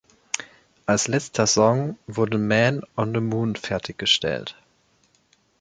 Als letzter Song wurde "Man on the Moon" fertiggestellt.